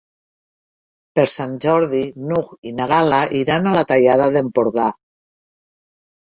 Per Sant Jordi n'Hug i na Gal·la iran a la Tallada d'Empordà.